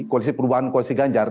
koalisi perubahan koalisi ganjar